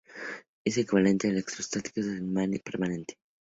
Es el equivalente electrostático de un imán permanente.